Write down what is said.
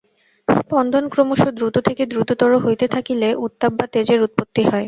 স্পন্দন ক্রমশ দ্রুত থেকে দ্রুততর হইতে থাকিলে উত্তাপ বা তেজের উৎপত্তি হয়।